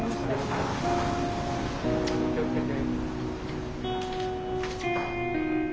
お気をつけて。